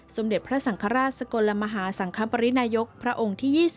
สมเด็จพระสังฆราชสกลมหาสังคปรินายกพระองค์ที่๒๐